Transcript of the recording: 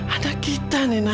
ada kita nena